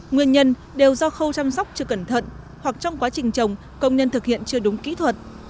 nguyên nhân đều do khâu chăm sóc chưa cẩn thận hoặc trong quá trình trồng công nhân thực hiện chưa đúng kỹ thuật